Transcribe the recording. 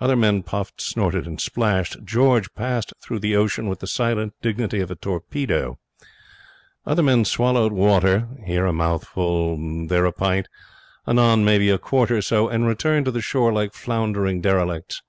Other men puffed, snorted, and splashed. George passed through the ocean with the silent dignity of a torpedo. Other men swallowed water, here a mouthful, there a pint, anon, maybe, a quart or so, and returned to the shore like foundering derelicts.